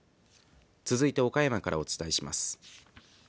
続いて岡山からお伝えします。